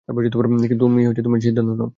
তুমি সিদ্ধান্ত নাও।